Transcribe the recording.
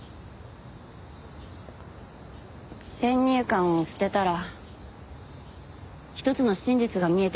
先入観を捨てたら一つの真実が見えてきた。